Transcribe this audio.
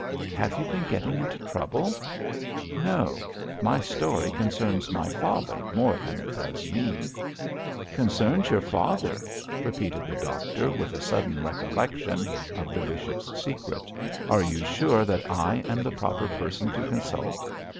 'Have you been getting into trouble?' 'No. My story concerns my father more than it does me.' 'Concerns your father!' repeated the doctor, with a sudden recollection of the bishop's secret. 'Are you sure that I am the proper person to consult?'